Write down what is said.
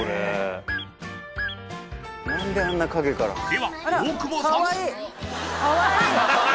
では大久保さん！